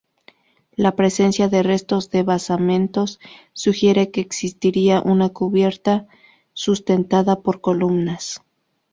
La presencia de restos de basamentos sugiere que existiría una cubierta sustentada por columnas.